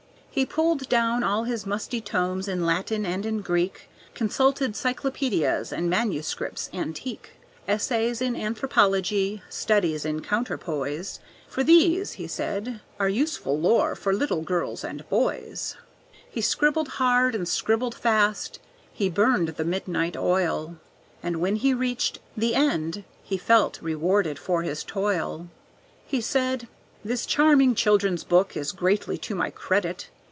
He pulled down all his musty tomes in Latin and in Greek; Consulted cyclopædias and manuscripts antique, Essays in Anthropology, studies in counterpoise "For these," he said, "are useful lore for little girls and boys." He scribbled hard, and scribbled fast, he burned the midnight oil, And when he reached "The End" he felt rewarded for his toil; He said, "This charming Children's Book is greatly to my credit."